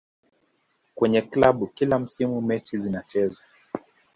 kwenye klabu kila msimu mechi zinachezwa